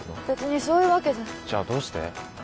別にそういうわけじゃじゃあどうして？